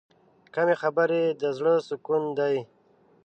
کمې خبرې، د زړه سکون دی.